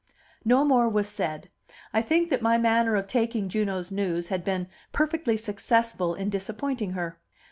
No more was said; I think that my manner of taking Juno's news had been perfectly successful in disappointing her.